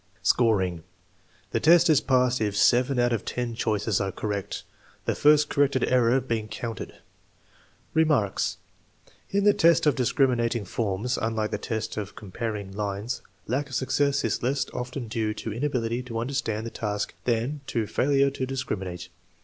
Scoring. The test is passed if seven out of ten choices are correct, the first corrected error being counted. Remarks. In the test of discriminating forms, unlike the test of comparing lines, lack of success is less often due to inability to understand the task than to failure to dis criminate.